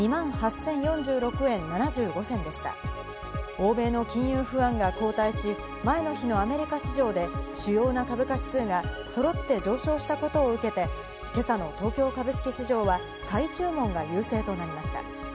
欧米の金融不安が後退し、前の日のアメリカ市場で主要な株価指数がそろって上昇したことを受けて、今朝の東京株式市場は買い注文が優勢となりました。